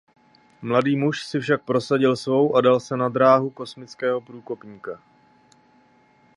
Mladý muž si však prosadil svou a dal se na dráhu kosmického průkopníka.